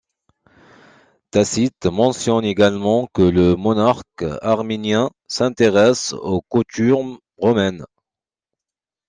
Tacite mentionne également que le monarque arménien s'intéresse aux coutumes romaines.